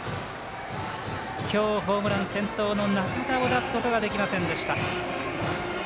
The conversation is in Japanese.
今日、ホームラン、先頭の仲田を出すことができませんでした。